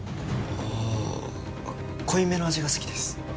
うーん濃いめの味が好きです。